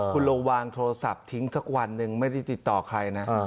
คุณเราวางโทรศัพท์ทิ้งสักวันหนึ่งไม่ได้ติดต่อใครนะ